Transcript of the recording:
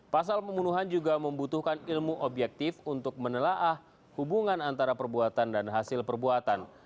pasal pembunuhan juga membutuhkan ilmu objektif untuk menelaah hubungan antara perbuatan dan hasil perbuatan